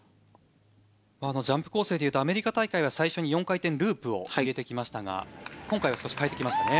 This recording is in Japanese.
ジャンプ構成でいうとアメリカ大会では最初に４回転ループを入れてきましたが今回は少し変えてきましたね。